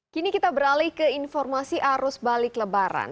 kini kita beralih ke informasi arus balik lebaran